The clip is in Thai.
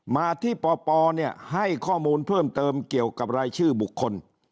มาที่ปปให้ข้อมูลเพิ่มเติมเกี่ยวกับรายชื่อบุคคล